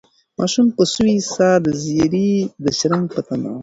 ماشوم په سوې ساه د زېري د شرنګ په تمه و.